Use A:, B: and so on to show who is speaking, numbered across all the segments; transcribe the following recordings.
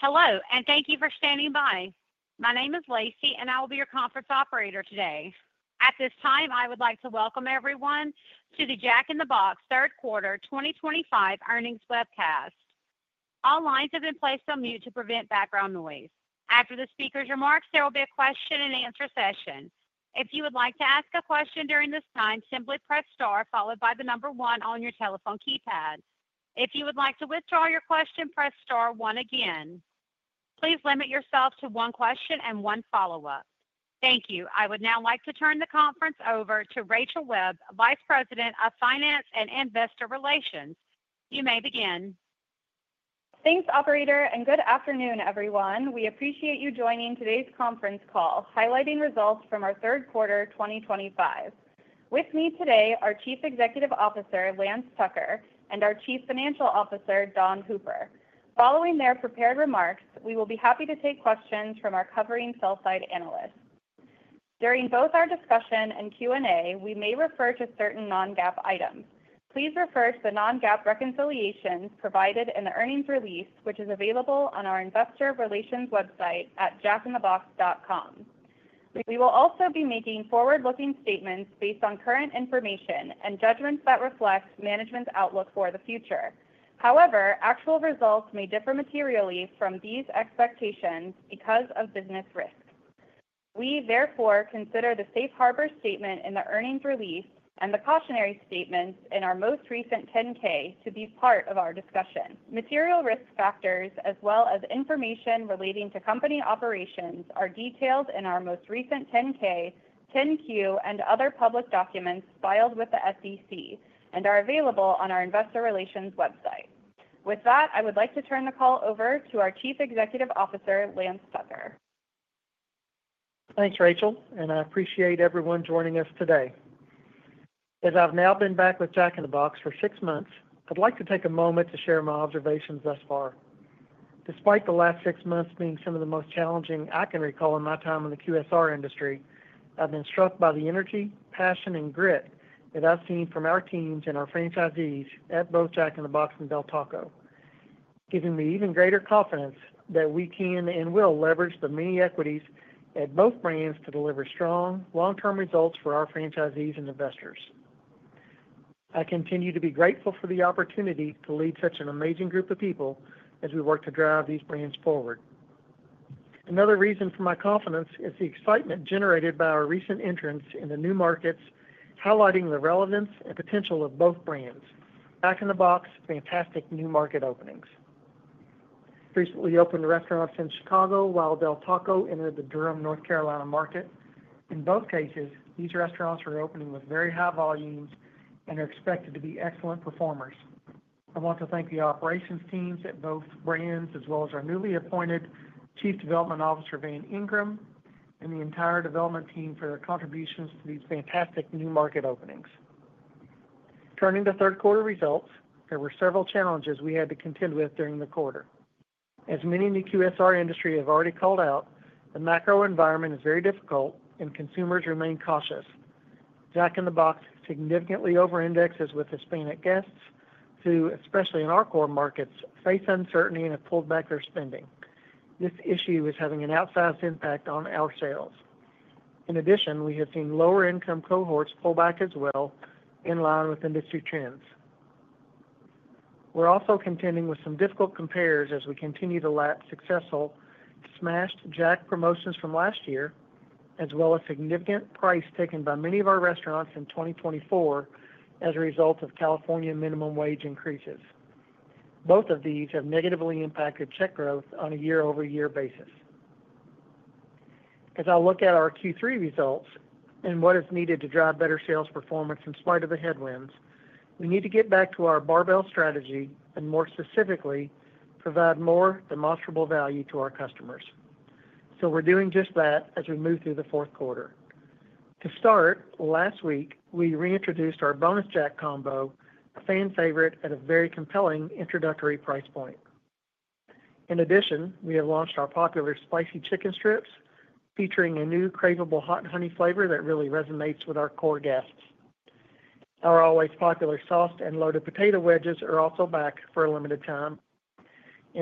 A: Hello, and thank you for standing by. My name is Lacey, and I will be your conference operator today. At this time, I would like to welcome everyone to the Jack in the Box third quarter 2025 earnings webcast. All lines have been placed on mute to prevent background noise. After the speaker's remarks, there will be a question and answer session. If you would like to ask a question during this time, simply press star, followed by the number one on your telephone keypad. If you would like to withdraw your question, press star one again. Please limit yourself to one question and one follow-up. Thank you. I would now like to turn the conference over to Rachel Webb, Vice President of Finance and Investor Relations. You may begin.
B: Thanks, operator, and good afternoon, everyone. We appreciate you joining today's conference call highlighting results from our third quarter 2025. With me today are Chief Executive Officer Lance Tucker and our Chief Financial Officer Dawn Hooper. Following their prepared remarks, we will be happy to take questions from our covering sell-side analysts. During both our discussion and Q&A, we may refer to certain non-GAAP items. Please refer to the non-GAAP reconciliations provided in the earnings release, which is available on our investor relations website at jackinthebox.com. We will also be making forward-looking statements based on current information and judgments that reflect management's outlook for the future. However, actual results may differ materially from these expectations because of business risks. We therefore consider the safe harbor statement in the earnings release and the cautionary statements in our most recent 10-K to be part of our discussion. Material risk factors, as well as information relating to company operations, are detailed in our most recent 10-K, 10-Q, and other public documents filed with the SEC and are available on our investor relations website. With that, I would like to turn the call over to our Chief Executive Officer Lance Tucker.
C: Thanks, Rachel, and I appreciate everyone joining us today. As I've now been back with Jack in the Box for six months, I'd like to take a moment to share my observations thus far. Despite the last six months being some of the most challenging I can recall in my time in the QSR industry, I've been struck by the energy, passion, and grit that I've seen from our teams and our franchisees at both Jack in the Box and Del Taco, giving me even greater confidence that we can and will leverage the many equities at both brands to deliver strong, long-term results for our franchisees and investors. I continue to be grateful for the opportunity to lead such an amazing group of people as we work to drive these brands forward. Another reason for my confidence is the excitement generated by our recent entrants in the new markets, highlighting the relevance and potential of both brands. Jack in the Box, fantastic new market openings. Recently opened restaurants in Chicago while Del Taco entered the Durham, North Carolina market. In both cases, these restaurants are opening with very high volumes and are expected to be excellent performers. I want to thank the operations teams at both brands, as well as our newly appointed Chief Development Officer Van Ingram and the entire development team for their contributions to these fantastic new market openings. Turning to third quarter results, there were several challenges we had to contend with during the quarter. As many in the QSR industry have already called out, the macro environment is very difficult and consumers remain cautious. Jack in the Box significantly over-indexes with Hispanic guests who, especially in our core markets, face uncertainty and have pulled back their spending. This issue is having an outsized impact on our sales. In addition, we have seen lower-income cohorts pull back as well, in line with industry trends. We're also contending with some difficult comparers as we continue to lack successful smashed Jack promotions from last year, as well as significant price taken by many of our restaurants in 2024 as a result of California minimum wage increases. Both of these have negatively impacted check growth on a year-over-year basis. As I look at our Q3 results and what is needed to drive better sales performance in spite of the headwinds, we need to get back to our barbell strategy and more specifically, provide more demonstrable value to our customers. We're doing just that as we move through the fourth quarter. To start, last week, we reintroduced our Bonus Jack combo, a fan favorite at a very compelling introductory price point. In addition, we have launched our popular spicy chicken strips featuring a new craveable hot honey flavor that really resonates with our core guests. Our always popular soft and loaded potato wedges are also back for a limited time.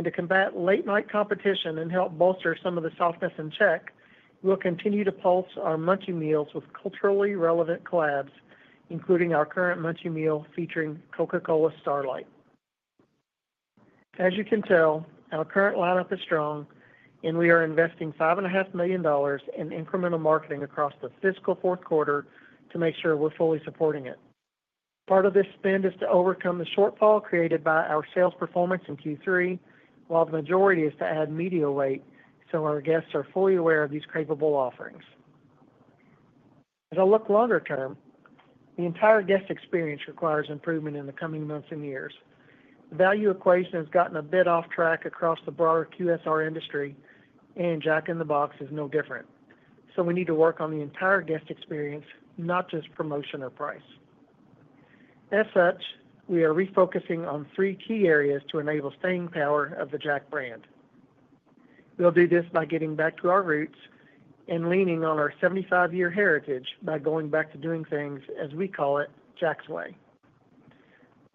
C: To combat late-night competition and help bolster some of the softness in check, we'll continue to pulse our Munchie Meals with culturally relevant collabs, including our current Munchie Meal featuring Coca-Cola Starlight. As you can tell, our current lineup is strong, and we are investing $5.5 million in incremental marketing across the fiscal fourth quarter to make sure we're fully supporting it. Part of this spend is to overcome the shortfall created by our sales performance in Q3, while the majority is to add media weight so our guests are fully aware of these craveable offerings. As I look longer term, the entire guest experience requires improvement in the coming months and years. The value equation has gotten a bit off track across the broader QSR industry, and Jack in the Box is no different. We need to work on the entire guest experience, not just promotion or price. As such, we are refocusing on three key areas to enable staying power of the Jack brand. We'll do this by getting back to our roots and leaning on our 75-year heritage by going back to doing things, as we call it, Jack's Way.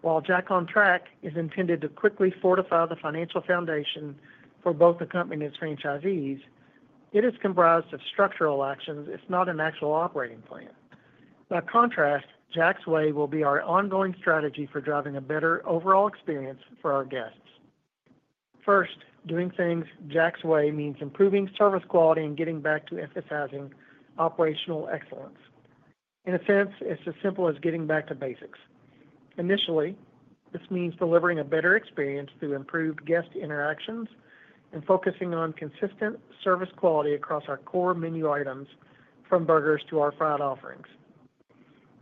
C: While JACK on Track is intended to quickly fortify the financial foundation for both the company and its franchisees, it is comprised of structural actions. It's not an actual operating plan. By contrast, Jack's Way will be our ongoing strategy for driving a better overall experience for our guests. First, doing things Jack's Way means improving service quality and getting back to emphasizing operational excellence. In a sense, it's as simple as getting back to basics. Initially, this means delivering a better experience through improved guest interactions and focusing on consistent service quality across our core menu items, from burgers to our fried offerings.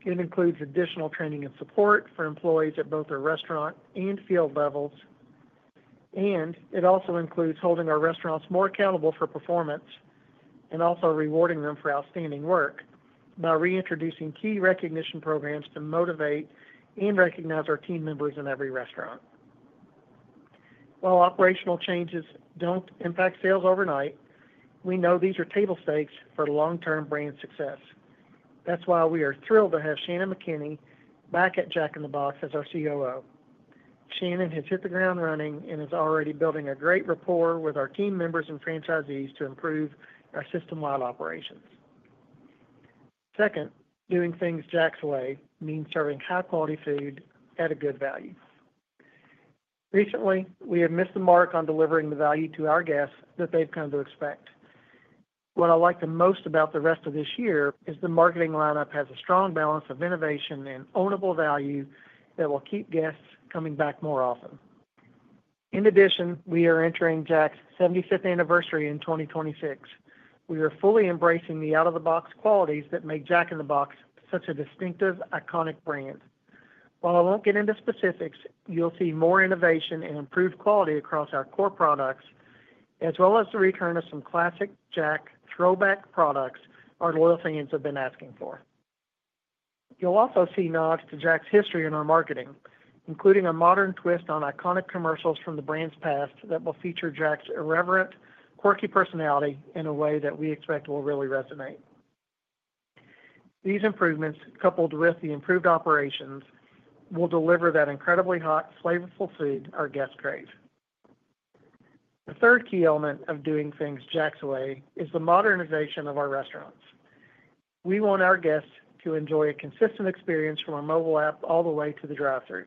C: It includes additional training and support for employees at both our restaurant and field levels, and it also includes holding our restaurants more accountable for performance and also rewarding them for outstanding work by reintroducing key recognition programs to motivate and recognize our team members in every restaurant. While operational changes don't impact sales overnight, we know these are table stakes for long-term brand success. That's why we are thrilled to have Shannon McKinney back at Jack in the Box as our Chief Operating Officer. Shannon has hit the ground running and is already building a great rapport with our team members and franchisees to improve our system-wide operations. Second, doing things Jack's Way means serving high-quality food at a good value. Recently, we have missed the mark on delivering the value to our guests that they've come to expect. What I like the most about the rest of this year is the marketing lineup has a strong balance of innovation and ownable value that will keep guests coming back more often. In addition, we are entering Jack's 75th anniversary in 2026. We are fully embracing the out-of-the-box qualities that make Jack in the Box such a distinctive, iconic brand. While I won't get into specifics, you'll see more innovation and improved quality across our core products, as well as the return of some classic Jack throwback products our loyal fans have been asking for. You'll also see nods to Jack's history in our marketing, including a modern twist on iconic commercials from the brand's past that will feature Jack's irreverent, quirky personality in a way that we expect will really resonate. These improvements, coupled with the improved operations, will deliver that incredibly hot, flavorful food our guests crave. The third key element of doing things Jack's Way is the modernization of our restaurants. We want our guests to enjoy a consistent experience from our mobile app all the way to the drive-thru.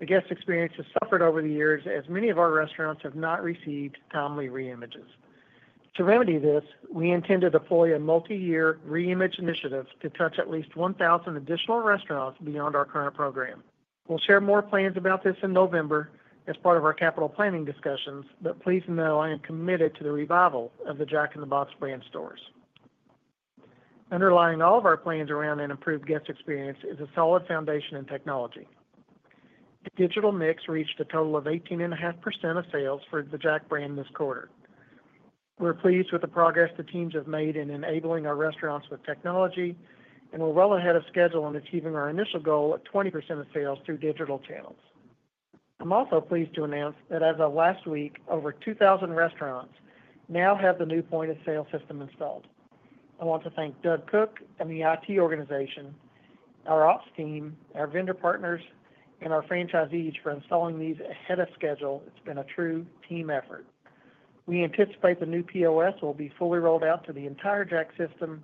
C: The guest experience has suffered over the years as many of our restaurants have not received timely re-images. To remedy this, we intend to deploy a multi-year re-image initiative to touch at least 1,000 additional restaurants beyond our current program. We'll share more plans about this in November as part of our capital planning discussions, but please know I am committed to the revival of the Jack in the Box brand stores. Underlying all of our plans around an improved guest experience is a solid foundation in technology. A digital sales mix reached a total of 18.5% of sales for the Jack brand this quarter. We're pleased with the progress the teams have made in enabling our restaurants with technology, and we're well ahead of schedule in achieving our initial goal at 20% of sales through digital channels. I'm also pleased to announce that as of last week, over 2,000 restaurants now have the new POS system installed. I want to thank Doug Cook and the IT organization, our ops team, our vendor partners, and our franchisees for installing these ahead of schedule. It's been a true team effort. We anticipate the new POS will be fully rolled out to the entire Jack system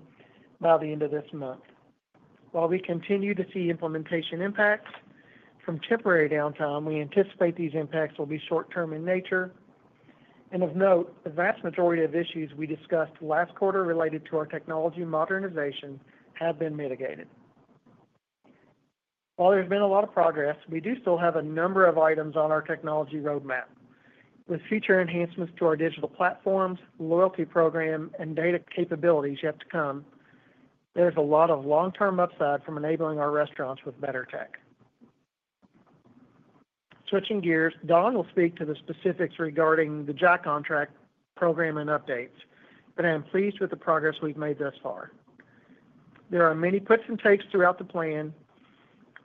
C: by the end of this month. While we continue to see implementation impacts from temporary downtime, we anticipate these impacts will be short-term in nature. Of note, the vast majority of issues we discussed last quarter related to our technology modernization have been mitigated. While there's been a lot of progress, we do still have a number of items on our technology roadmap. With feature enhancements to our digital platforms, loyalty program, and data capabilities yet to come, there's a lot of long-term upside from enabling our restaurants with better tech. Switching gears, Dawn will speak to the specifics regarding the JACK on Track program and updates, but I am pleased with the progress we've made thus far. There are many puts and takes throughout the plan,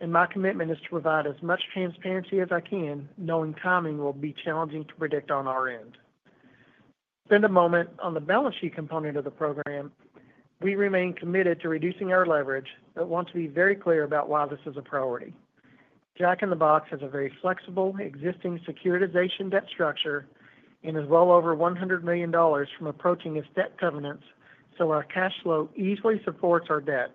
C: and my commitment is to provide as much transparency as I can, knowing timing will be challenging to predict on our end. Spend a moment on the balance sheet component of the program. We remain committed to reducing our leverage, but want to be very clear about why this is a priority. Jack in the Box has a very flexible existing securitization debt structure and is well over $100 million from approaching its debt covenants, so our cash flow easily supports our debt.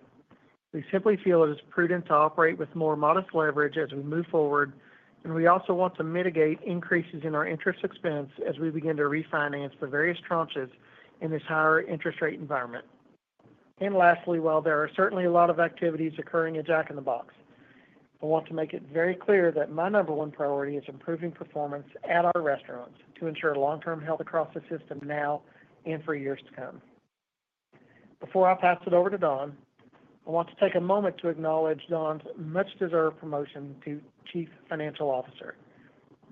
C: We simply feel it is prudent to operate with more modest leverage as we move forward, and we also want to mitigate increases in our interest expense as we begin to refinance the various tranches in this higher interest rate environment. Lastly, while there are certainly a lot of activities occurring at Jack in the Box, I want to make it very clear that my number one priority is improving performance at our restaurants to ensure long-term health across the system now and for years to come. Before I pass it over to Dawn, I want to take a moment to acknowledge Dawn's much-deserved promotion to Chief Financial Officer.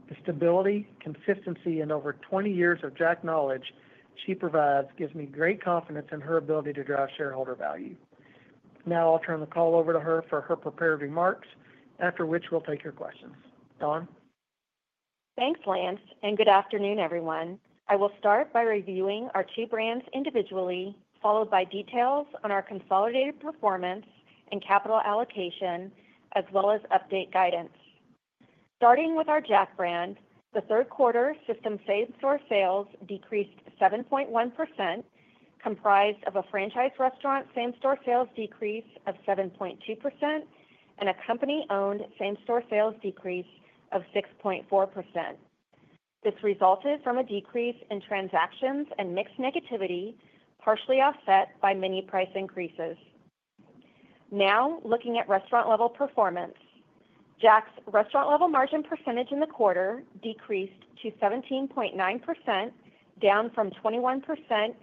C: The stability, consistency, and over 20 years of Jack knowledge she provides give me great confidence in her ability to drive shareholder value. Now I'll turn the call over to her for her prepared remarks, after which we'll take your questions. Dawn?
D: Thanks, Lance, and good afternoon, everyone. I will start by reviewing our two brands individually, followed by details on our consolidated performance and capital allocation, as well as update guidance. Starting with our Jack brand, the third quarter system same-store sales decreased 7.1%, comprised of a franchise restaurant same-store sales decrease of 7.2% and a company-owned same-store sales decrease of 6.4%. This resulted from a decrease in transactions and mix negativity, partially offset by many price increases. Now looking at restaurant-level performance, Jack's restaurant-level margin percentage in the quarter decreased to 17.9%, down from 21%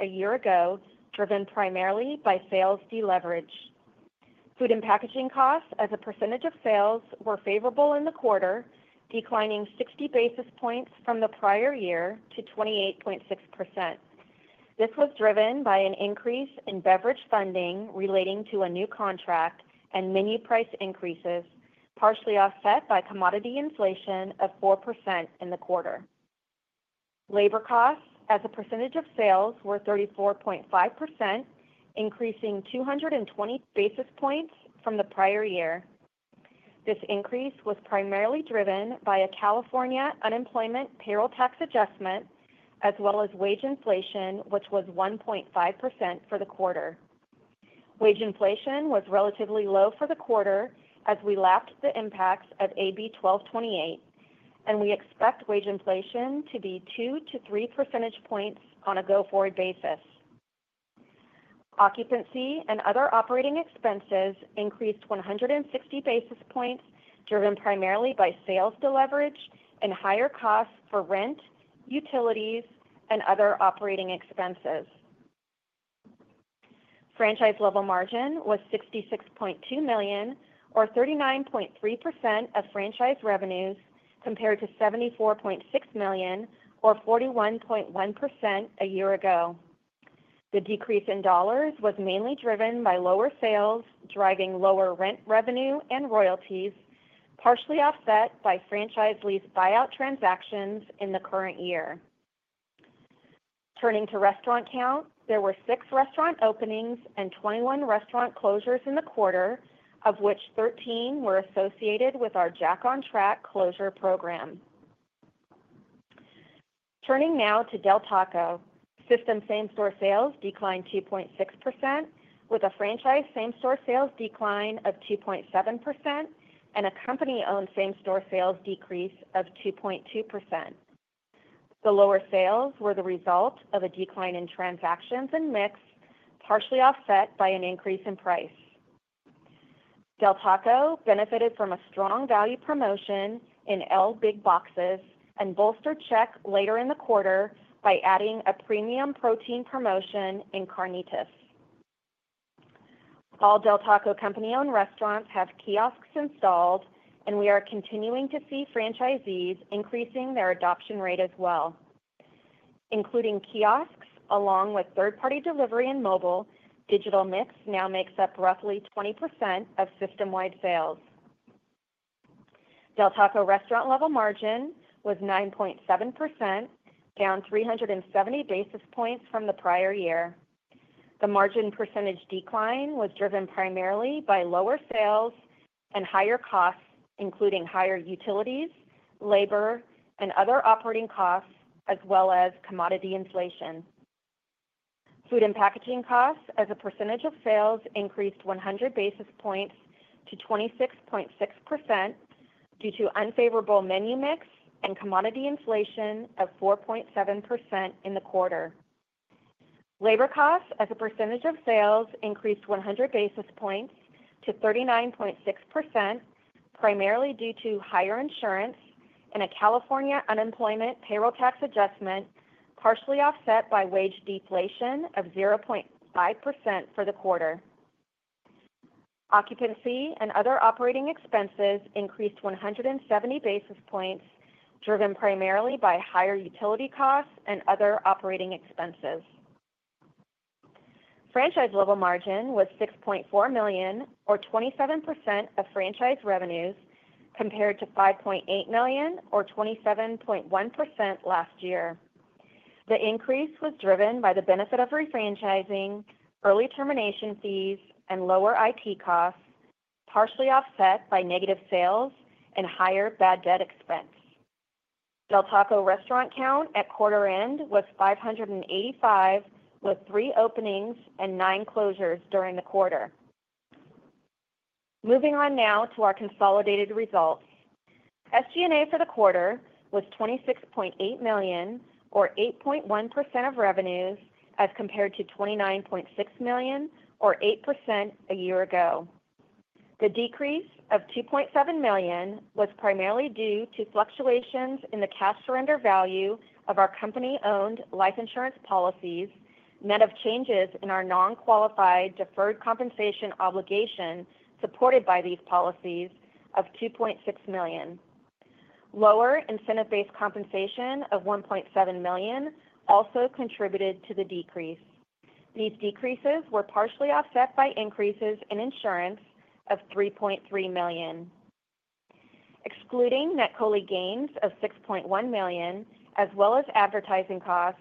D: a year ago, driven primarily by sales deleverage. Food and packaging costs, as a percentage of sales, were favorable in the quarter, declining 60 basis points from the prior year to 28.6%. This was driven by an increase in beverage funding relating to a new contract and menu price increases, partially offset by commodity inflation of 4% in the quarter. Labor costs, as a percentage of sales, were 34.5%, increasing 220 basis points from the prior year. This increase was primarily driven by a California unemployment payroll tax adjustment, as well as wage inflation, which was 1.5% for the quarter. Wage inflation was relatively low for the quarter as we lapped the impacts of AB 1228, and we expect wage inflation to be 2-3 percentage points on a go-forward basis. Occupancy and other operating expenses increased 160 basis points, driven primarily by sales deleverage and higher costs for rent, utilities, and other operating expenses. Franchise-level margin was $66.2 million, or 39.3% of franchise revenues, compared to $74.6 million, or 41.1% a year ago. The decrease in dollars was mainly driven by lower sales, driving lower rent revenue and royalties, partially offset by franchise lease buyout transactions in the current year. Turning to restaurant count, there were six restaurant openings and 21 restaurant closures in the quarter, of which 13 were associated with our JACK on Track closure program. Turning now to Del Taco, system same-store sales declined 2.6%, with a franchise same-store sales decline of 2.7% and a company-owned same-store sales decrease of 2.2%. The lower sales were the result of a decline in transactions and mix, partially offset by an increase in price. Del Taco benefited from a strong value promotion in L Big Boxes and bolstered check later in the quarter by adding a premium protein promotion in Carnitas. All Del Taco company-owned restaurants have kiosks installed, and we are continuing to see franchisees increasing their adoption rate as well. Including kiosks, along with third-party delivery and mobile, digital mix now makes up roughly 20% of system-wide sales. Del Taco restaurant-level margin was 9.7%, down 370 basis points from the prior year. The margin percentage decline was driven primarily by lower sales and higher costs, including higher utilities, labor, and other operating costs, as well as commodity inflation. Food and packaging costs, as a percentage of sales, increased 100 basis points to 26.6% due to unfavorable menu mix and commodity inflation of 4.7% in the quarter. Labor costs, as a percentage of sales, increased 100 basis points to 39.6%, primarily due to higher insurance and a California unemployment payroll tax adjustment, partially offset by wage deflation of 0.5% for the quarter. Occupancy and other operating expenses increased 170 basis points, driven primarily by higher utility costs and other operating expenses. Franchise-level margin was $6.4 million, or 27% of franchise revenues, compared to $5.8 million, or 27.1% last year. The increase was driven by the benefit of refranchising, early termination fees, and lower IT costs, partially offset by negative sales and higher bad debt expense. Del Taco restaurant count at quarter end was 585, with three openings and nine closures during the quarter. Moving on now to our consolidated results. SG&A for the quarter was $26.8 million, or 8.1% of revenues, as compared to $29.6 million, or 8% a year ago. The decrease of $2.7 million was primarily due to fluctuations in the cash surrender value of our company-owned life insurance policies, net of changes in our non-qualified deferred compensation obligation supported by these policies of $2.6 million. Lower incentive-based compensation of $1.7 million also contributed to the decrease. These decreases were partially offset by increases in insurance of $3.3 million. Excluding net COLI gains of $6.1 million, as well as advertising costs,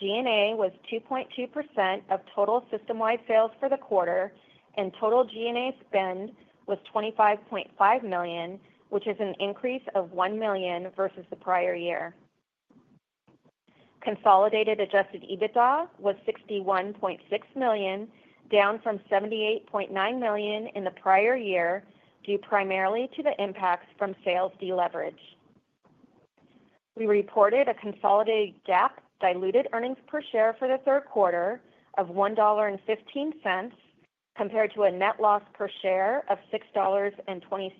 D: G&A was 2.2% of total system-wide sales for the quarter, and total G&A spend was $25.5 million, which is an increase of $1 million vs the prior year. Consolidated adjusted EBITDA was $61.6 million, down from $78.9 million in the prior year, due primarily to the impacts from sales deleverage. We reported a consolidated GAAP diluted earnings per share for the third quarter of $1.15, compared to a net loss per share of $6.26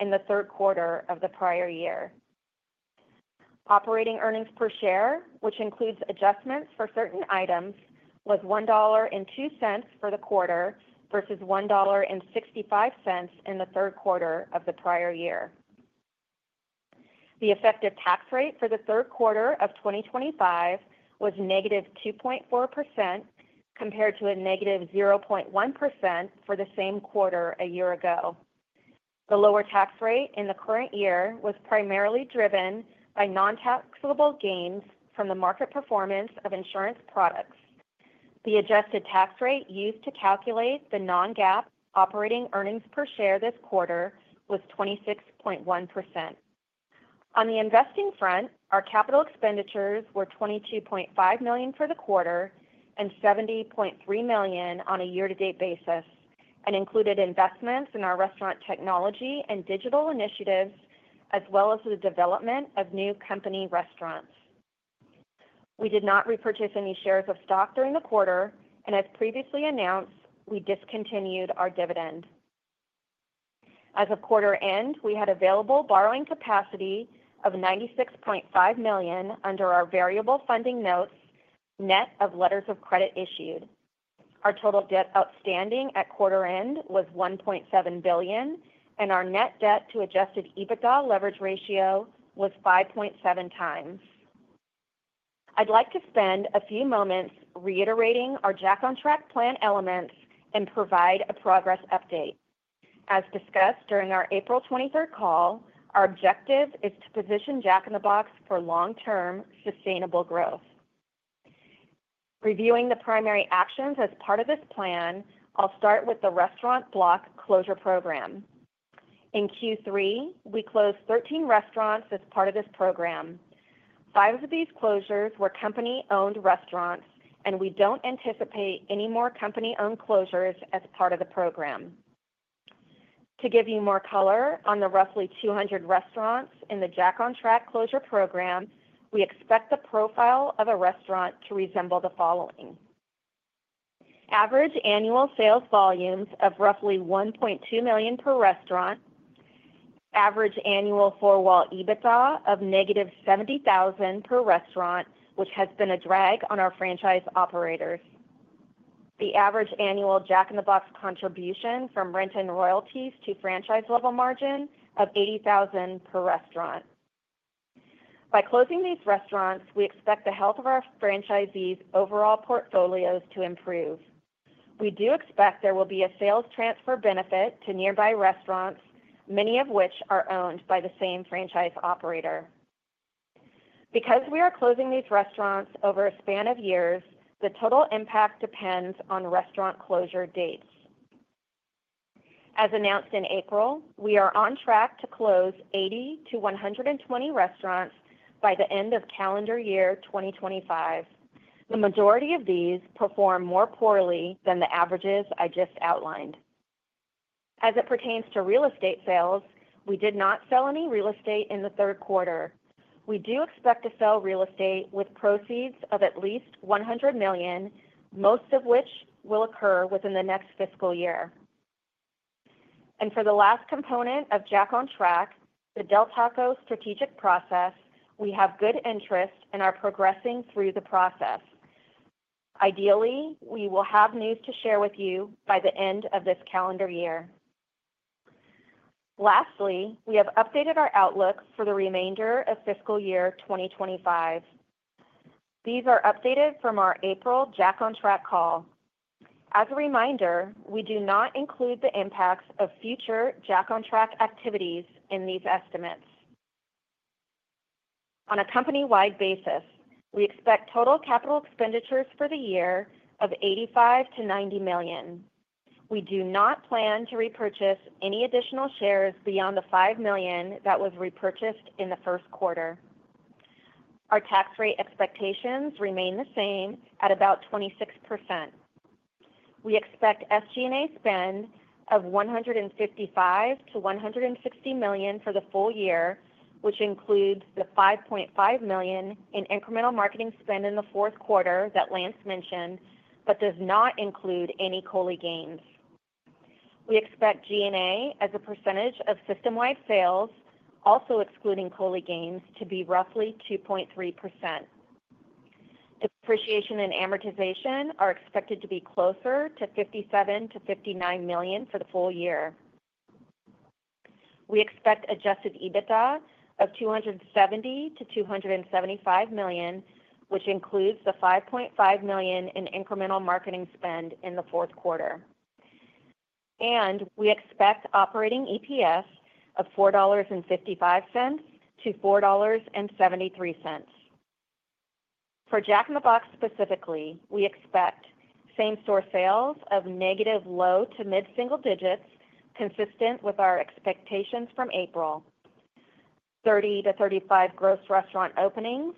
D: in the third quarter of the prior year. Operating earnings per share, which includes adjustments for certain items, was $1.02 for the quarter vs $1.65 in the third quarter of the prior year. The effective tax rate for the third quarter of 2025 was -2.4%, compared to -0.1% for the same quarter a year ago. The lower tax rate in the current year was primarily driven by non-taxable gains from the market performance of insurance products. The adjusted tax rate used to calculate the non-GAAP operating earnings per share this quarter was 26.1%. On the investing front, our capital expenditures were $22.5 million for the quarter and $70.3 million on a year-to-date basis, and included investments in our restaurant technology and digital initiatives, as well as the development of new company restaurants. We did not repurchase any shares of stock during the quarter, and as previously announced, we discontinued our dividend. As of quarter end, we had available borrowing capacity of $96.5 million under our variable funding note, net of letters of credit issued. Our total debt outstanding at quarter end was $1.7 billion, and our net debt to adjusted EBITDA leverage ratio was 5.7x. I'd like to spend a few moments reiterating our JACK on Track plan elements and provide a progress update. As discussed during our April 23rd call, our objective is to position Jack in the Box for long-term sustainable growth. Reviewing the primary actions as part of this plan, I'll start with the restaurant block closure program. In Q3, we closed 13 restaurants as part of this program. Five of these closures were company-owned restaurants, and we don't anticipate any more company-owned closures as part of the program. To give you more color on the roughly 200 restaurants in the JACK on Track closure program, we expect the profile of a restaurant to resemble the following: average annual sales volumes of roughly $1.2 million per restaurant, average annual four-wall EBITDA of -$70,000 per restaurant, which has been a drag on our franchise operators, the average annual Jack in the Box contribution from rent and royalties to franchise-level margin of $80,000 per restaurant. By closing these restaurants, we expect the health of our franchisees' overall portfolios to improve. We do expect there will be a sales transfer benefit to nearby restaurants, many of which are owned by the same franchise operator. Because we are closing these restaurants over a span of years, the total impact depends on restaurant closure dates. As announced in April, we are on track to close 80-120 restaurants by the end of calendar year 2025. The majority of these perform more poorly than the averages I just outlined. As it pertains to real estate sales, we did not sell any real estate in the third quarter. We do expect to sell real estate with proceeds of at least $100 million, most of which will occur within the next fiscal year. For the last component of JACK on Track, the Del Taco strategic process, we have good interest and are progressing through the process. Ideally, we will have news to share with you by the end of this calendar year. Lastly, we have updated our outlook for the remainder of fiscal year 2025. These are updated from our April JACK on Track call. As a reminder, we do not include the impacts of future JACK on Track activities in these estimates. On a company-wide basis, we expect total capital expenditures for the year of $85 million-$90 million. We do not plan to repurchase any additional shares beyond the $5 million that was repurchased in the first quarter. Our tax rate expectations remain the same at about 26%. We expect SG&A spend of $155 million-$160 million for the full year, which includes the $5.5 million in incremental marketing spend in the fourth quarter that Lance mentioned, but does not include any COLI gains. We expect G&A, as a percentage of system-wide sales, also excluding COLI gains, to be roughly 2.3%. Depreciation and amortization are expected to be closer to $57 million-$59 million for the full year. We expect adjusted EBITDA of $270 million-$275 million, which includes the $5.5 million in incremental marketing spend in the fourth quarter. We expect operating EPS of $4.55-$4.73. For Jack in the Box specifically, we expect same-store sales of negative low to mid-single digits, consistent with our expectations from April, 30-35 gross restaurant openings,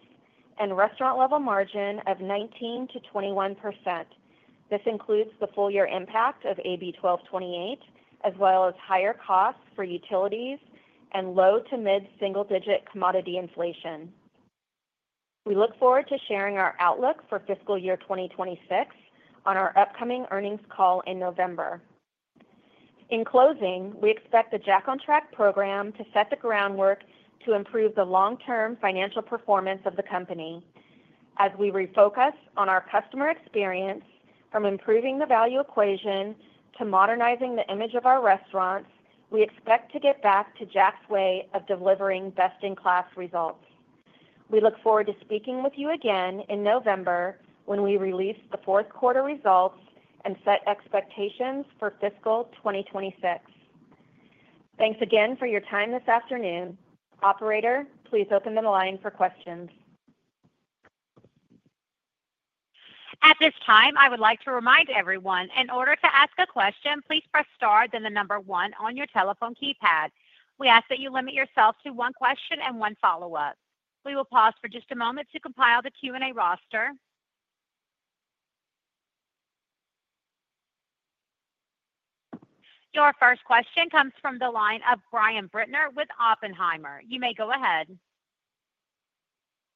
D: and restaurant-level margin of 19%-21%. This includes the full-year impact of AB 1228, as well as higher costs for utilities and low to mid-single-digit commodity inflation. We look forward to sharing our outlook for fiscal year 2026 on our upcoming earnings call in November. In closing, we expect the JACK on Track program to set the groundwork to improve the long-term financial performance of the company. As we refocus on our customer experience, from improving the value equation to modernizing the image of our restaurants, we expect to get back to Jack's Way of delivering best-in-class results. We look forward to speaking with you again in November when we release the fourth quarter results and set expectations for fiscal 2026. Thanks again for your time this afternoon. Operator, please open the line for questions.
A: At this time, I would like to remind everyone, in order to ask a question, please press star then the number one on your telephone keypad. We ask that you limit yourself to one question and one follow-up. We will pause for just a moment to compile the Q&A roster. Your first question comes from the line of Brian Bittner with Oppenheimer. You may go ahead.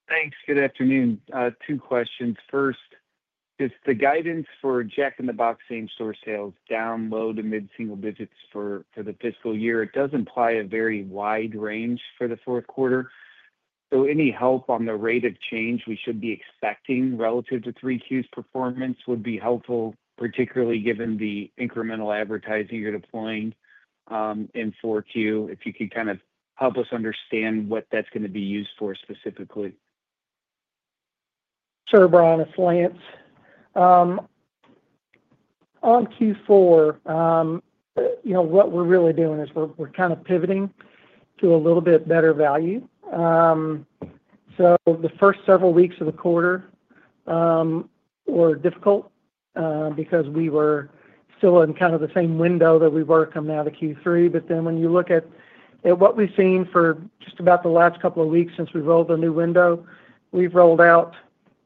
E: Thanks. Good afternoon. Two questions. First, is the guidance for Jack in the Box same-store sales down low to mid-single digits for the fiscal year? It does imply a very wide range for the fourth quarter. Any help on the rate of change we should be expecting relative to 3Q's performance would be helpful, particularly given the incremental advertising you're deploying in 4Q. If you can kind of help us understand what that's going to be used for specifically?
C: Sure, Brian. It's Lance. On Q4, you know what we're really doing is we're kind of pivoting to a little bit better value. The first several weeks of the quarter were difficult because we were still in kind of the same window that we work on now to Q3. When you look at what we've seen for just about the last couple of weeks since we rolled the new window, we've rolled out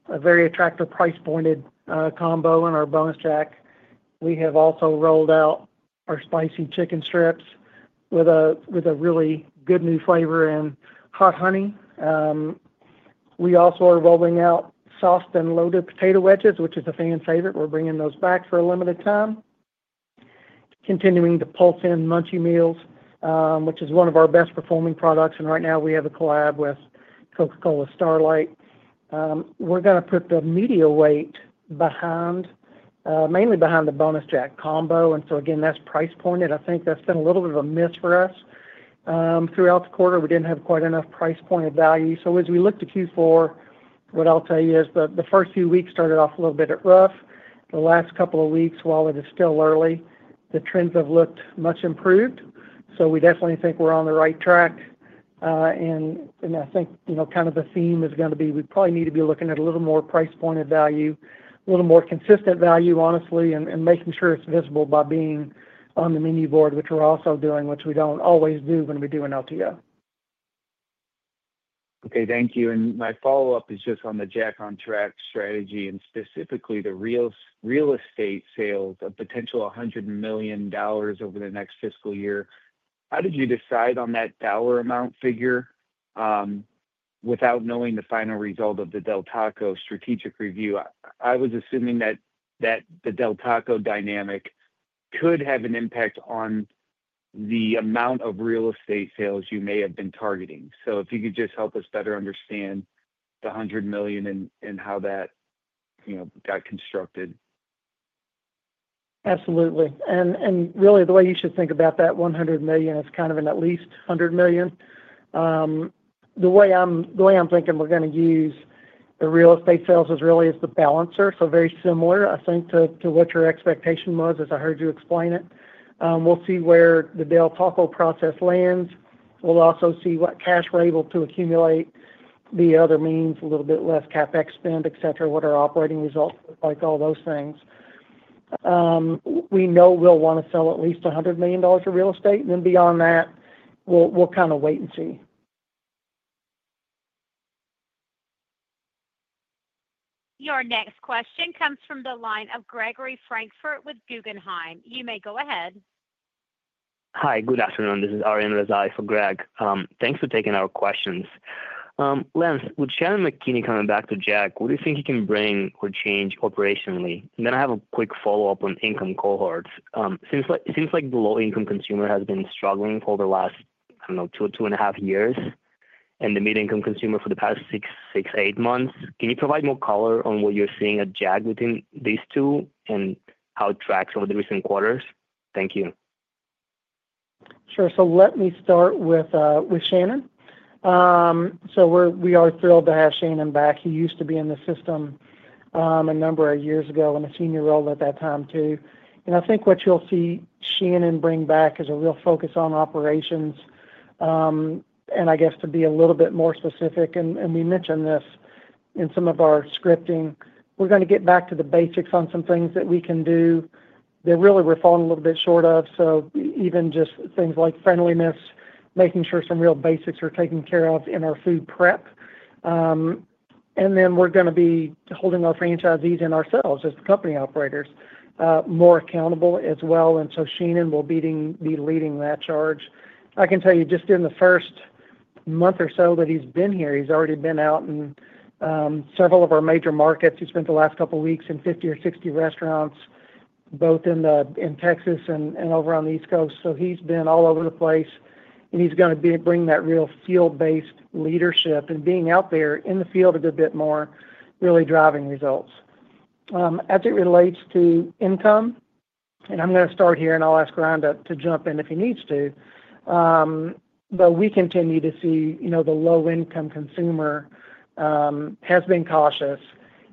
C: a very attractive price-pointed combo in our Bonus Jack. We have also rolled out our Spicy Chicken Strips with a really good new flavor and hot honey. We also are rolling out Sauced & Loaded Potato Wedges, which is a fan favorite. We're bringing those back for a limited time. Continuing to pulse in Munchie Meals, which is one of our best-performing products. Right now, we have a collab with Coca-Cola Starlight. We're going to put the media weight behind, mainly behind the Bonus Jack combo. That's price-pointed. I think that's been a little bit of a miss for us throughout the quarter. We didn't have quite enough price-pointed value. As we look to Q4, what I'll tell you is the first few weeks started off a little bit rough. The last couple of weeks, while it is still early, the trends have looked much improved. We definitely think we're on the right track. I think, you know, kind of the theme is going to be we probably need to be looking at a little more price-pointed value, a little more consistent value, honestly, and making sure it's visible by being on the menu board, which we're also doing, which we don't always do when we do an LTO.
E: Okay. Thank you. My follow-up is just on the JACK on Track strategy and specifically the real estate sales of potential $100 million over the next fiscal year. How did you decide on that dollar amount figure without knowing the final result of the Del Taco strategic review? I was assuming that the Del Taco dynamic could have an impact on the amount of real estate sales you may have been targeting. If you could just help us better understand the $100 million and how that, you know, got constructed?
C: Absolutely. The way you should think about that $100 million is kind of an at least $100 million. The way I'm thinking we're going to use the real estate sales is really as the balancer. Very similar, I think, to what your expectation was as I heard you explain it. We'll see where the Del Taco process lands. We'll also see what cash we're able to accumulate, the other means, a little bit less CapEx spend, what our operating results look like, all those things. We know we'll want to sell at least $100 million of real estate. Beyond that, we'll kind of wait and see.
A: Your next question comes from the line of Gregory Francfort with Guggenheim. You may go ahead.
F: Hi. Good afternoon. This is Arian Razai for Greg. Thanks for taking our questions. Lance, with Shannon McKinney coming back to Jack, what do you think you can bring or change operationally? I have a quick follow-up on income cohorts. Seems like the low-income consumer has been struggling for the last, I don't know, 2.5 years, and the mid-income consumer for the past six, 6-8 months. Can you provide more color on what you're seeing at Jack within these two and how it tracks over the recent quarters? Thank you.
C: Sure. Let me start with Shannon. We are thrilled to have Shannon back. He used to be in the system a number of years ago in a senior role at that time, too. I think what you'll see Shannon bring back is a real focus on operations. To be a little bit more specific, and we mentioned this in some of our scripting, we're going to get back to the basics on some things that we can do that really we're falling a little bit short of. Even just things like friendliness, making sure some real basics are taken care of in our food prep. We're going to be holding our franchisees and ourselves as the company operators more accountable as well. Shannon will be leading that charge. I can tell you just in the first month or so that he's been here, he's already been out in several of our major markets. He spent the last couple of weeks in 50 or 60 restaurants, both in Texas and over on the East Coast. He's been all over the place, and he's going to bring that real field-based leadership and being out there in the field a good bit more, really driving results. As it relates to income, I'm going to start here, and I'll ask Ryan to jump in if he needs to, but we continue to see the low-income consumer has been cautious.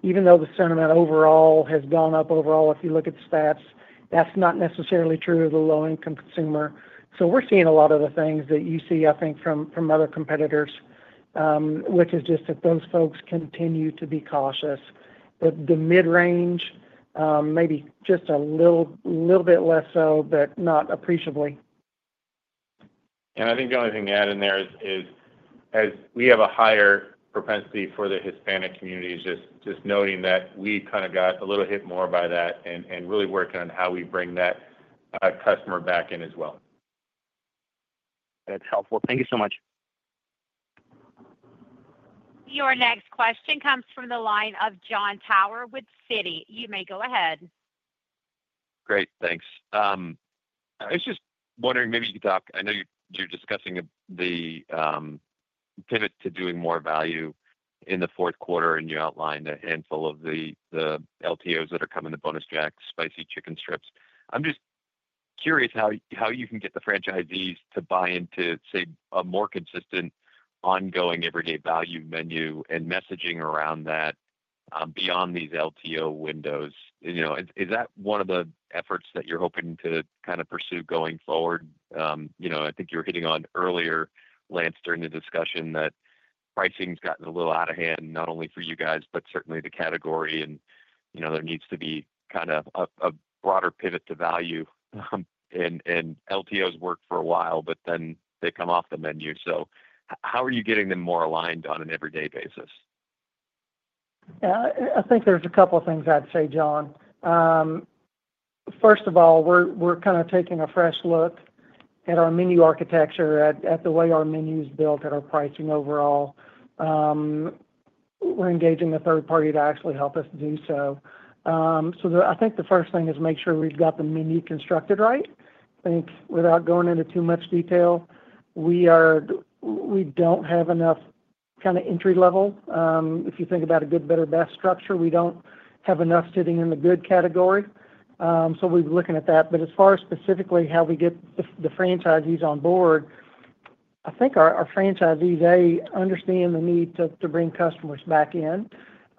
C: Even though the sentiment overall has gone up overall, if you look at stats, that's not necessarily true of the low-income consumer. We're seeing a lot of the things that you see, I think, from other competitors, which is just that those folks continue to be cautious. The mid-range may be just a little bit less so, but not appreciably.
G: I think the only thing to add in there is, as we have a higher propensity for the Hispanic community, just noting that we kind of got a little hit more by that and really working on how we bring that customer back in as well.
F: That's helpful. Thank you so much.
A: Your next question comes from the line of Jon Tower with Citi. You may go ahead.
H: Great, thanks. I was just wondering, maybe you could talk. I know you're discussing the pivot to doing more value in the fourth quarter, and you outlined a handful of the LTOs that are coming, the Bonus Jack, Spicy Chicken Strips. I'm just curious how you can get the franchisees to buy into, say, a more consistent, ongoing everyday value menu and messaging around that beyond these LTO windows. Is that one of the efforts that you're hoping to kind of pursue going forward? I think you were hitting on earlier, Lance, during the discussion that pricing's gotten a little out of hand, not only for you guys, but certainly the category. There needs to be kind of a broader pivot to value. LTOs work for a while, but then they come off the menu. How are you getting them more aligned on an everyday basis?
C: Yeah, I think there's a couple of things I'd say, Jon. First of all, we're kind of taking a fresh look at our menu architecture, at the way our menu's built, at our pricing overall. We're engaging a third-party to actually help us do so. I think the first thing is make sure we've got the menu constructed right. Without going into too much detail, we don't have enough kind of entry-level. If you think about a good, better, best structure, we don't have enough sitting in the good category. We're looking at that. As far as specifically how we get the franchisees on board, I think our franchisees, they understand the need to bring customers back in.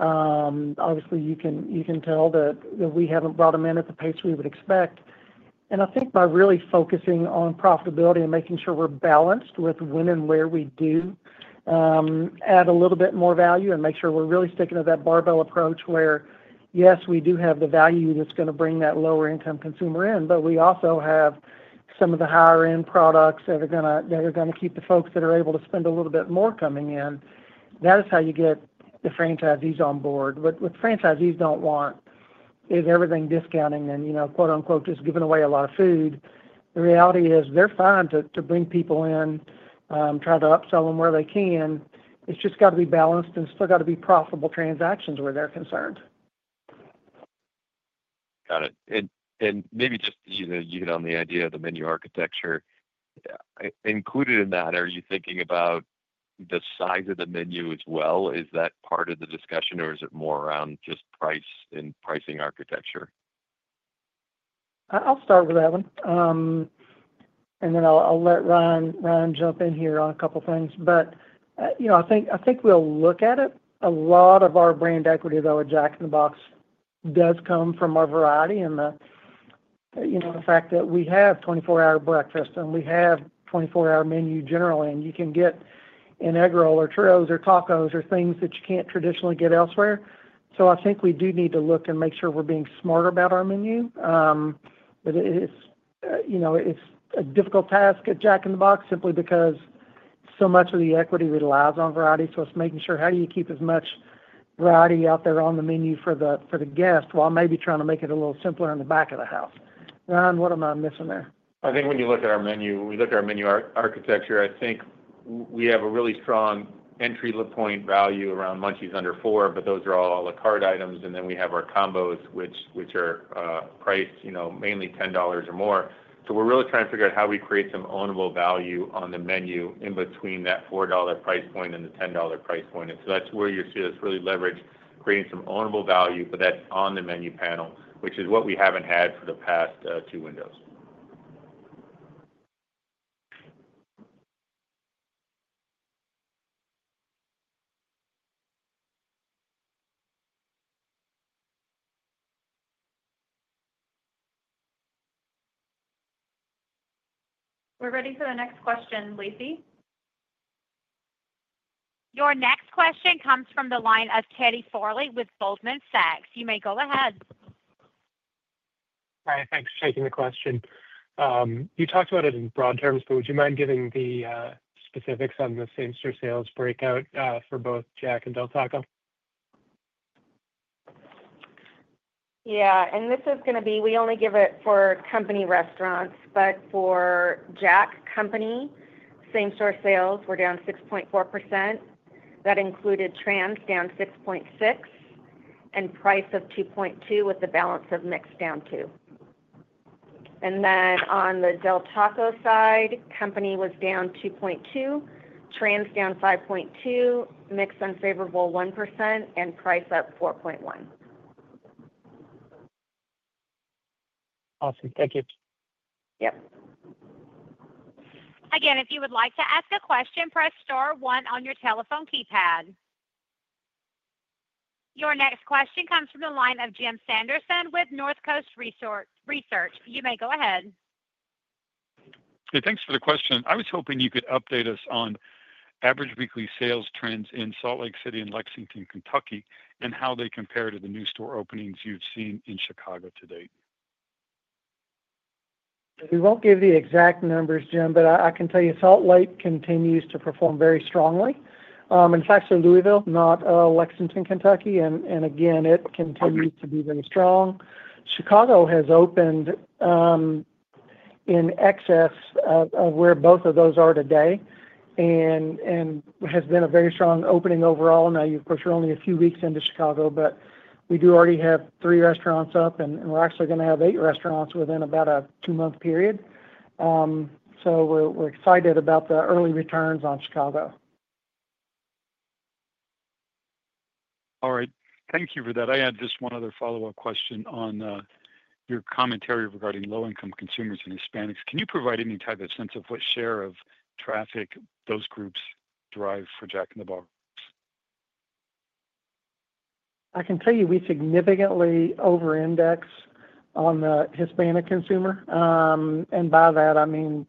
C: Obviously, you can tell that we haven't brought them in at the pace we would expect. I think by really focusing on profitability and making sure we're balanced with when and where we do add a little bit more value and make sure we're really sticking to that barbell approach where, yes, we do have the value that's going to bring that lower-income consumer in, but we also have some of the higher-end products that are going to keep the folks that are able to spend a little bit more coming in. That is how you get the franchisees on board. What franchisees don't want is everything discounting and, you know, "just giving away a lot of food". The reality is they're fine to bring people in, try to upsell them where they can. It's just got to be balanced and still got to be profitable transactions where they're concerned.
H: Got it. Maybe just to get on the idea of the menu architecture, included in that, are you thinking about the size of the menu as well? Is that part of the discussion, or is it more around just price and pricing architecture?
C: I'll start with that one. I'll let Ryan jump in here on a couple of things. I think we'll look at it. A lot of our brand equity at Jack in the Box does come from our variety and the fact that we have 24-hour breakfast and we have a 24-hour menu generally. You can get an egg roll or tacos or things that you can't traditionally get elsewhere. I think we do need to look and make sure we're being smart about our menu. It's a difficult task at Jack in the Box simply because so much of the equity relies on variety. It's making sure how you keep as much variety out there on the menu for the guests while maybe trying to make it a little simpler in the back of the house. Ryan, what am I missing there?
G: I think when you look at our menu, we look at our menu architecture. I think we have a really strong entry point value around munchies under $4, but those are all a la carte items. We have our combos, which are priced mainly $10 or more. We are really trying to figure out how we create some ownable value on the menu in between that $4 price point and the $10 price point. That is where you see us really leverage creating some ownable value, but that is on the menu panel, which is what we have not had for the past two windows.
B: We're ready for the next question, Lacey.
A: Your next question comes from the line of Teddy Farley with Goldman Sachs. You may go ahead.
I: Hi. Thanks for taking the question. You talked about it in broad terms, but would you mind giving the specifics on the same-store sales breakout for both Jack and Del Taco?
D: This is going to be we only give it for company restaurants, but for Jack company, same-store sales were down 6.4%. That included Trans down 6.6% and Price of 2.2% with the balance of mix down 2%. On the Del Taco side, Company was down 2.2%, Trans down 5.2%, Mix Unfavorable 1%, and Price up 4.1%.
I: Awesome. Thank you.
A: If you would like to ask a question, press star one on your telephone keypad. Your next question comes from the line of Jim Sanderson with Northcoast Research. You may go ahead.
J: Hey, thanks for the question. I was hoping you could update us on average weekly sales trends in Salt Lake City and Lexington, Kentucky, and how they compare to the new store openings you've seen in Chicago to date?
C: We won't give the exact numbers, Jim, but I can tell you Salt Lake continues to perform very strongly. It's actually Louisville, not Lexington, Kentucky, and it continues to be very strong. Chicago has opened in excess of where both of those are today and has been a very strong opening overall. Of course, we're only a few weeks into Chicago, but we do already have three restaurants up, and we're actually going to have eight restaurants within about a two-month period. We're excited about the early returns on Chicago.
J: All right. Thank you for that. I had just one other follow-up question on your commentary regarding low-income consumers and Hispanics. Can you provide any type of sense of what share of traffic those groups drive for Jack in the Box?
C: I can tell you we significantly over-index on the Hispanic consumer. By that, I mean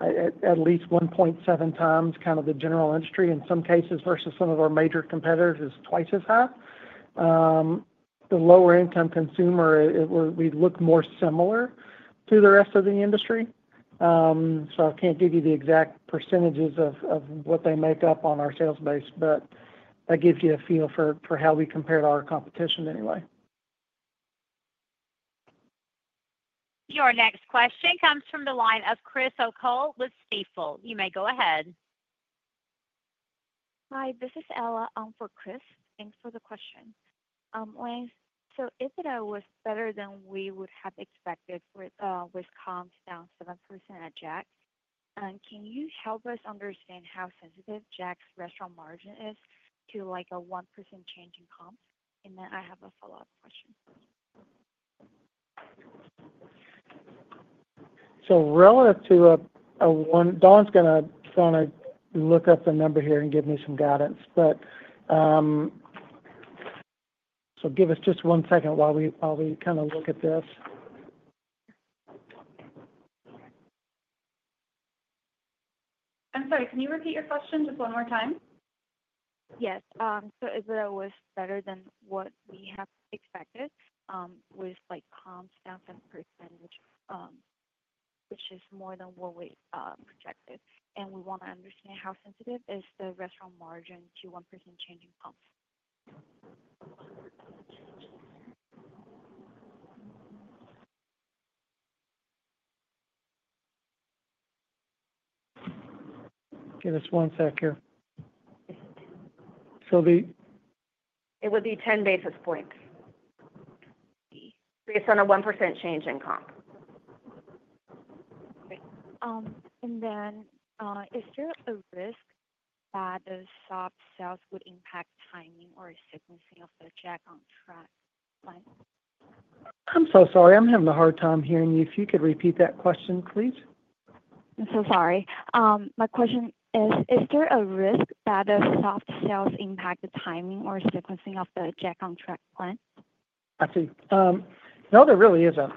C: at least 1.7 times kind of the general industry. In some cases versus some of our major competitors, it is twice as high. The lower-income consumer, we look more similar to the rest of the industry. I can't give you the exact percentages of what they make up on our sales base, but that gives you a feel for how we compare to our competition anyway.
A: Your next question comes from the line of Chris O'Cull with Stifel. You may go ahead.
K: Hi. This is Ella for Chris. Thanks for the question. Lance, if it was better than we would have expected with comps down 7% at Jack, can you help us understand how sensitive Jack's restaurant margin is to like a 1% change in comps? I have a follow-up question.
C: to a one, Dawn is going to look up the number here and give me some guidance. Give us just one second while we look at this.
D: I'm sorry. Can you repeat your question just one more time?
K: Yes. If it was better than what we have expected with comps down 7%, which is more than what we expected, we want to understand how sensitive is the restaurant margin to 1% change in comps.
C: Give us one sec here.
K: Yes.
C: So the.
D: It would be 10 basis points based on a 1% change in comp.
K: Great. Is there a risk that the soft sales would impact timing or sequencing of the JACK on Track line?
C: I'm sorry. I'm having a hard time hearing you. If you could repeat that question, please.
K: I'm so sorry. My question is, is there a risk that the soft sales impact the timing or sequencing of the JACK on Track line?
C: I see. No, there really isn't.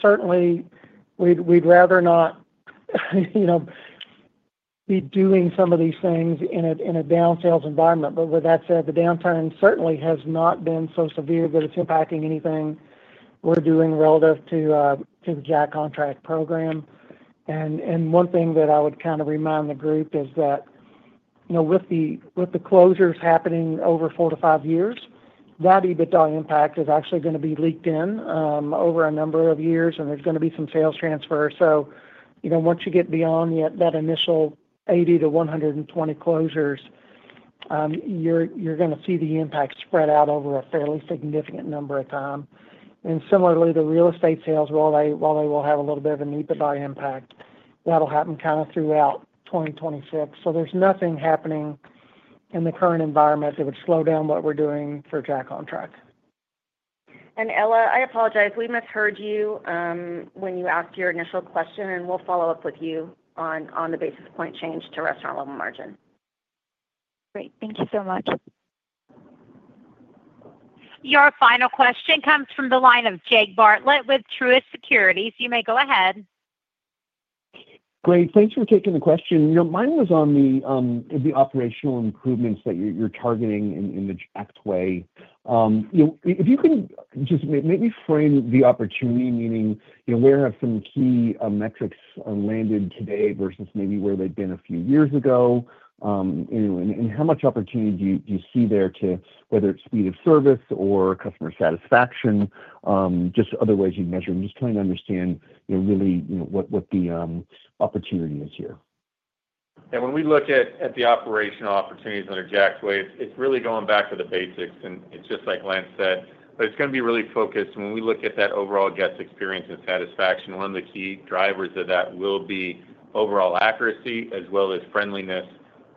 C: Certainly, we'd rather not be doing some of these things in a downsales environment. With that said, the downturn certainly has not been so severe that it's impacting anything we're doing relative to the JACK on Track program. One thing that I would kind of remind the group is that with the closures happening over 4-5 years, that EBITDA impact is actually going to be leaked in over a number of years, and there's going to be some sales transfer. Once you get beyond that initial 80-120 closures, you're going to see the impact spread out over a fairly significant number of times. Similarly, the real estate sales, while they will have a little bit of an EBITDA impact, that'll happen throughout 2026. There's nothing happening in the current environment that would slow down what we're doing for JACK on Track.
D: Ella, I apologize. We misheard you when you asked your initial question, and we'll follow up with you on the basis point change to restaurant-level margin.
K: Great, thank you so much.
A: Your final question comes from the line of Jake Bartlett with Truist Securities. You may go ahead.
L: Great. Thanks for taking the question. Mine was on the operational improvements that you're targeting in the Jack's Way. If you can just maybe frame the opportunity, meaning where have some key metrics landed today versus maybe where they've been a few years ago, and how much opportunity do you see there to whether it's speed of service or customer satisfaction, just other ways you measure them. Just trying to understand, really, what the opportunity is here?
G: When we look at the operational opportunities under Jack's Way, it's really going back to the basics. It's just like Lance said, but it's going to be really focused. When we look at that overall guest experience and satisfaction, one of the key drivers of that will be overall accuracy, as well as friendliness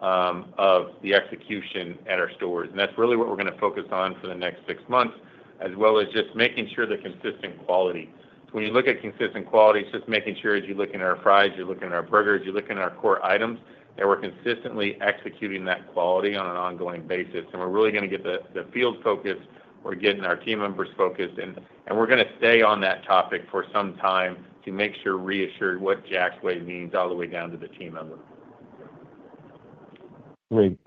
G: of the execution at our stores. That's really what we're going to focus on for the next six months, as well as just making sure the consistent quality. When you look at consistent quality, it's just making sure as you're looking at our fries, you're looking at our burgers, you're looking at our core items, and we're consistently executing that quality on an ongoing basis. We're really going to get the field focused. We're getting our team members focused. We're going to stay on that topic for some time to make sure we reassure what Jack's Way means all the way down to the team members.
L: Great.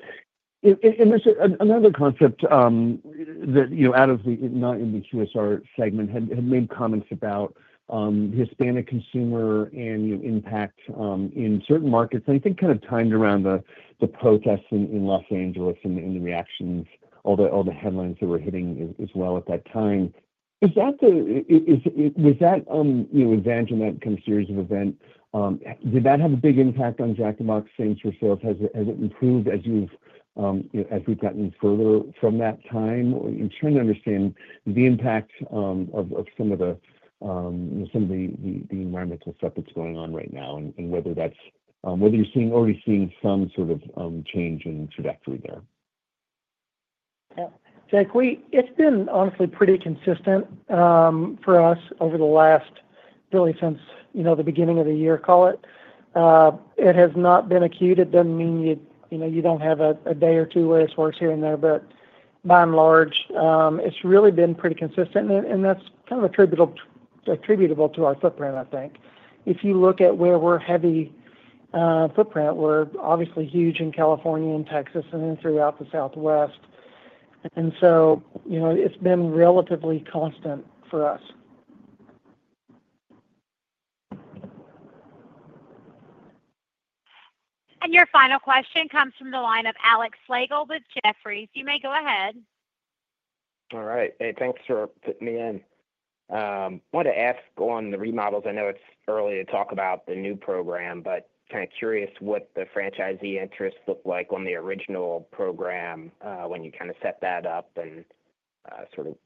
L: There's another concept that, out of the not in the QSR segment, had made comments about the Hispanic consumer and impact in certain markets. I think kind of timed around the protests in Los Angeles and the reactions, all the headlines that were hitting as well at that time. Is that event or that kind of series of events, did that have a big impact on Jack in the Box same-store sales? Has it improved as we've gotten further from that time? I'm trying to understand the impact of some of the environmental stuff that's going on right now and whether you're seeing, already seeing some sort of change in trajectory there.
C: Yeah. Jack, it's been honestly pretty consistent for us over the last, really, since the beginning of the year, call it. It has not been acute. It doesn't mean you don't have a day or two where it's worse here and there, but by and large, it's really been pretty consistent. That's kind of attributable to our footprint, I think. If you look at where we're heavy footprint, we're obviously huge in California and Texas and then throughout the Southwest. It's been relatively constant for us.
A: Your final question comes from the line of Alex Slagle with Jefferies. You may go ahead.
M: All right. Hey, thanks for fitting me in. I wanted to ask on the remodels. I know it's early to talk about the new program, but kind of curious what the franchisee interest looked like on the original program when you kind of set that up and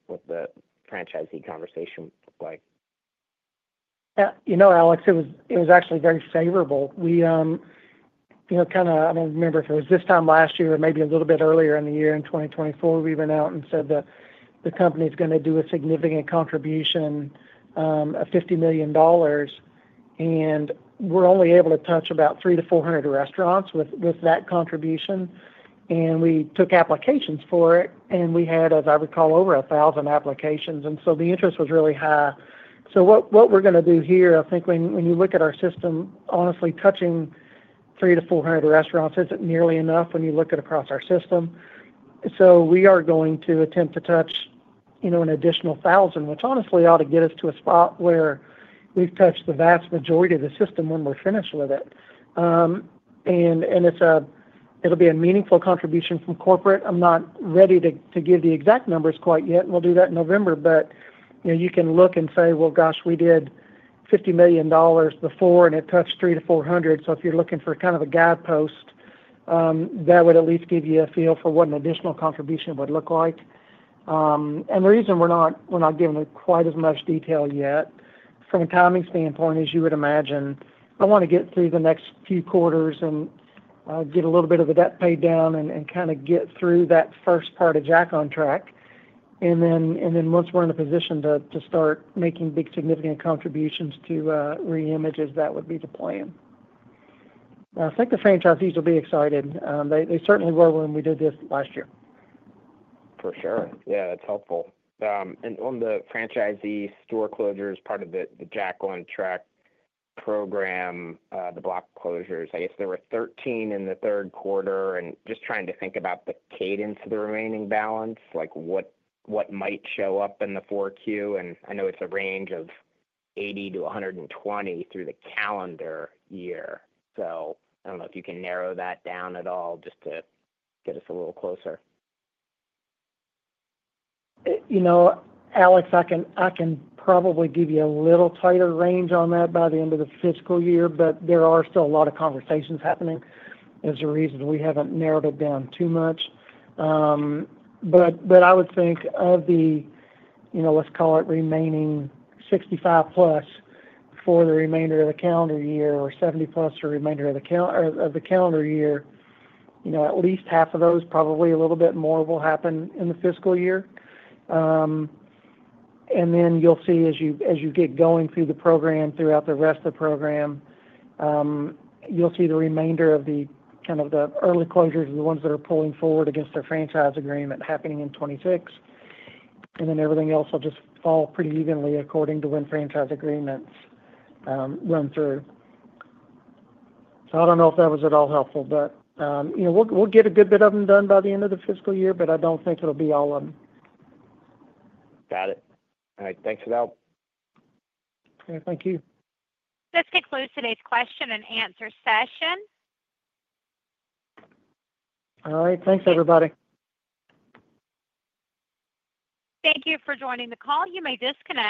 M: what the franchisee conversation looked like.
C: Yeah. You know, Alex, it was actually very favorable. We kind of, I don't remember if it was this time last year or maybe a little bit earlier in the year in 2024, we went out and said that the company is going to do a significant contribution of $50 million. We're only able to touch about 300-400 restaurants with that contribution. We took applications for it, and we had, as I recall, over 1,000 applications. The interest was really high. What we're going to do here, I think when you look at our system, honestly, touching 300-400 restaurants isn't nearly enough when you look across our system. We are going to attempt to touch an additional 1,000, which honestly ought to get us to a spot where we've touched the vast majority of the system when we're finished with it. It'll be a meaningful contribution from corporate. I'm not ready to give the exact numbers quite yet. We'll do that in November. You can look and say, "Gosh, we did $50 million before, and it touched 300-400." If you're looking for kind of a guidepost, that would at least give you a feel for what an additional contribution would look like. The reason we're not giving quite as much detail yet, from a timing standpoint, as you would imagine, I want to get through the next few quarters and get a little bit of the debt paid down and kind of get through that first part of JACK on Track. Once we're in a position to start making big, significant contributions to reimages, that would be the plan. I think the franchisees will be excited. They certainly were when we did this last year.
M: For sure. Yeah, that's helpful. On the franchisee store closures, part of the JACK on Track program, the block closures, I guess there were 13 in the third quarter. I'm just trying to think about the cadence of the remaining balance, like what might show up in the 4Q. I know it's a range of 80-120 through the calendar year. I don't know if you can narrow that down at all just to get us a little closer.
C: You know, Alex, I can probably give you a little tighter range on that by the end of the fiscal year, but there are still a lot of conversations happening. There's a reason we haven't narrowed it down too much. I would think of the, you know, let's call it remaining 65+ for the remainder of the calendar year or 70+ for the remainder of the calendar year. At least half of those, probably a little bit more, will happen in the fiscal year. You'll see as you get going through the program throughout the rest of the program, you'll see the remainder of the kind of the early closures, the ones that are pulling forward against their franchise agreement happening in 2026. Everything else will just fall pretty evenly according to when franchise agreements run through. I don't know if that was at all helpful, but you know, we'll get a good bit of them done by the end of the fiscal year, but I don't think it'll be all of them.
M: Got it. All right, thanks for the help.
C: All right. Thank you.
A: This concludes today's question and answer session.
C: All right, thanks, everybody.
A: Thank you for joining the call. You may disconnect.